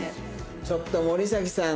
ちょっと森咲さん